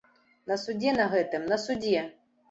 На судзе на гэтым, на судзе!